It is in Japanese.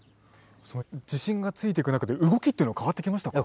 自信がついていく中で動きっていうのは変わってきましたか？